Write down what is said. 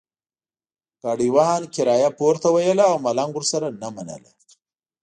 ګاډیوان کرایه پورته ویله او ملنګ ورسره نه منله.